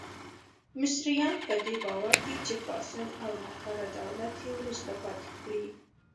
مصریان په دې باور دي چې فاسد او ناکاره دولت یې وروسته پاتې کړي.